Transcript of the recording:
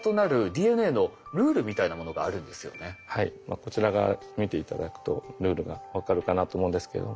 こちらが見て頂くとルールが分かるかなと思うんですけれども。